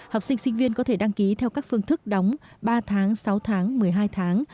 học sinh sinh viên có thể đăng ký theo các phương thức đóng ba tháng sáu tháng một mươi hai tháng